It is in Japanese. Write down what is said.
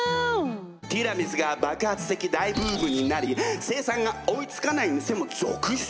ティラミスが爆発的大ブームになり生産が追いつかない店も続出！